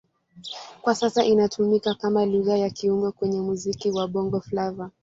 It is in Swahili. Kwa sasa inatumika kama Lugha ya kiungo kwenye muziki wa Bongo Flava.